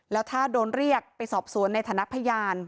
แล้วถ้าโดนเรียกไปสอบสวนในฐานะพยาน